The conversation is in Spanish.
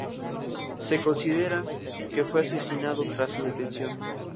Se considera que fue asesinado tras su detención.